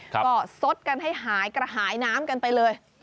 ก็สดกันให้หายกระหายน้ำกันไปเลย